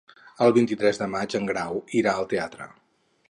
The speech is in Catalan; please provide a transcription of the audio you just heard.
El vint-i-tres de maig en Grau irà al teatre.